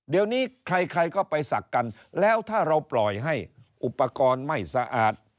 เดี๋ยวนี้ใครใครก็ไปศักดิ์กันแล้วถ้าเราปล่อยให้อุปกรณ์ไม่สะอาด